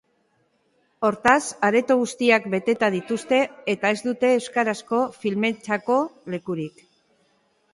Hortaz, areto guztiak beteta dituzte eta ez dute euskarazko filmeentzako lekurik.